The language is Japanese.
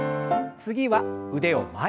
次は腕を前。